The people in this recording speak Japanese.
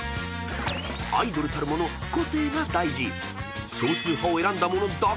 ［アイドルたるもの個性が大事］